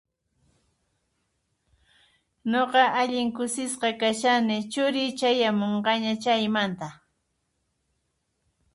Nuqa allin kusisqa kashiani, churiy chayamunqaña chaymanta.